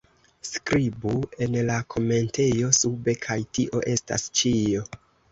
Skribu en la komentejo sube kaj tio estas ĉio